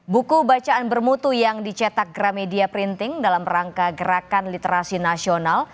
buku bacaan bermutu yang dicetak gramedia printing dalam rangka gerakan literasi nasional